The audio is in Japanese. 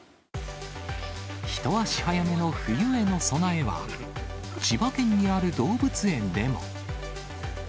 一足早めの冬への備えは、千葉県にある動物園でも。